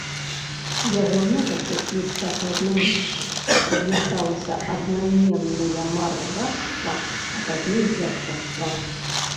У яго межах, якія з часам змяняліся, размяшчаліся аднайменныя маркграфства, а пазней герцагства.